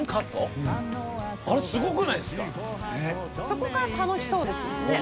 そこから楽しそうですよね。